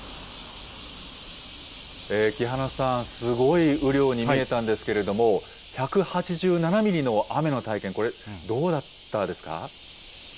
木花さん、すごい雨量に見えたんですけれども、１８７ミリの雨の体験、これ、どうだったですか？